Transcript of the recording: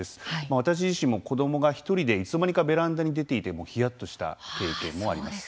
私自身も子どもが、１人でいつの間にかベランダに出ていてひやっとした経験もあります。